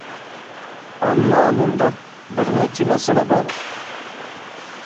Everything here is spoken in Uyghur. ئەمما مۇنداق بىر نەچچە مەسىلە بار.